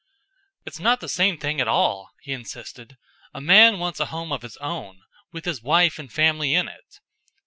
"It's not the same thing at all," he insisted. "A man wants a home of his own, with his wife and family in it."